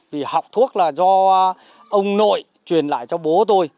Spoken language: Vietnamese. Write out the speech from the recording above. vì học thuốc là do ông nội truyền lại cho bố tôi